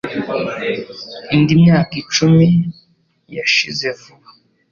Indi myaka icumi yashize vuba